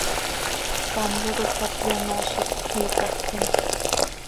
Ctam zo toc cötap, yanoozic, iisax theemt.